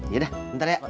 yaudah bentar ya